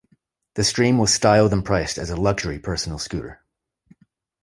The Stream was styled and priced as a luxury personal scooter.